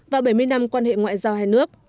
và bảy mươi năm quan hệ ngoại giao hai nước